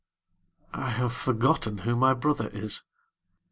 *^ I have forgotten who my brother is.